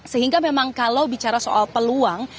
sehingga memang kalau bicara soal peluang